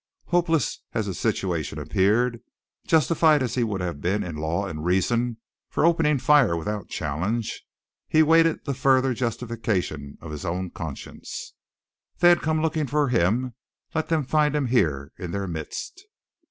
Hopeless as his situation appeared, justified as he would have been in law and reason for opening fire without challenge, he waited the further justification of his own conscience. They had come looking for him; let them find him here in their midst.